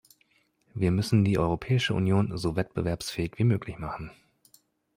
Wir müssen die Europäische Union so wettbewerbsfähig wie möglich machen.